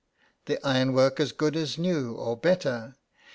The ironwork as good as new, or better.